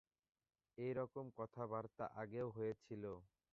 এইরকম কথাবার্তা আগেও হয়েছিল।